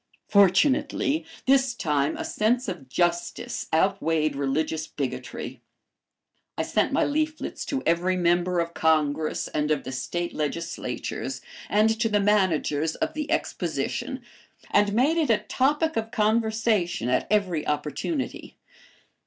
Fortunately, this time a sense of justice outweighed religious bigotry. I sent my leaflets to every member of Congress and of the State legislatures, and to the managers of the Exposition, and made it a topic of conversation at every opportunity.